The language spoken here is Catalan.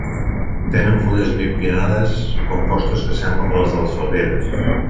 Tenen fulles bipinnades compostes que semblen les de les falgueres.